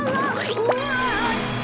うわ！